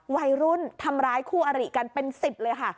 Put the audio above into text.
วัยรุ่นทำร้ายคู่อริกันเป็น๑๐เลยค่ะ